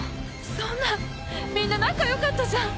そんなみんな仲良かったじゃん！